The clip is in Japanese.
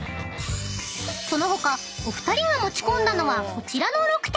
［その他お二人が持ち込んだのはこちらの６点］